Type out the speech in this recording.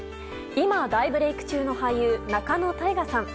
今、大ブレーク中の俳優仲野太賀さん。